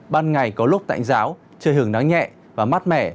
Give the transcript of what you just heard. ban ngày có lúc tạnh giáo trời hưởng nắng nhẹ và mát mẻ